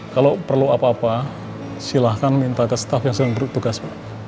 kalau perlu apa apa silahkan minta ke staff yang sedang bertugas pak